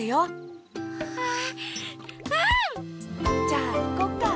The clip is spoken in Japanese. じゃあいこっか？